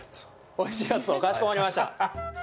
おいしいやつを、かしこまりました。